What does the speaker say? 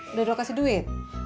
udah delle kasih duit